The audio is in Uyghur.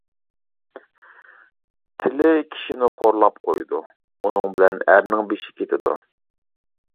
تىلى كىشىنى خورلاپ قويىدۇ، ئۇنىڭ بىلەن ئەرنىڭ بېشى كېتىدۇ.